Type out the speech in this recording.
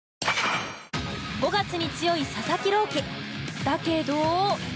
５月に強い佐々木朗希だけど。